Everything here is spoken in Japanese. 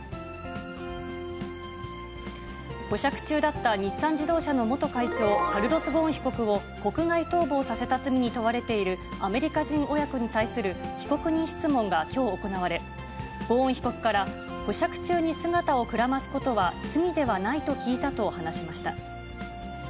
保釈中だった日産自動車の元会長、カルロス・ゴーン被告を国外逃亡させた罪に問われているアメリカ人親子に対する被告人質問がきょう行われ、ゴーン被告から、保釈中に姿をくらますことは罪ではないと聞いたと話しました。